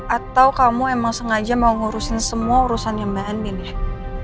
atau kamu emang sengaja mau ngurusin semua urusan yang mbak amin ya